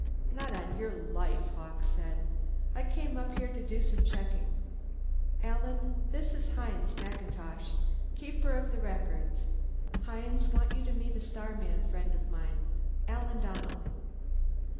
"Not on your life," Hawkes said. "I came up here to do some checking. Alan, this is Hines MacIntosh, Keeper of the Records. Hines, want you to meet a starman friend of mine. Alan Donnell."